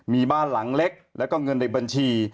มีบ้านหลังเล็กแล้วก็เงินในบัญชี